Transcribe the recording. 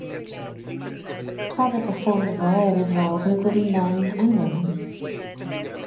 Potter performed a variety of roles including men and women.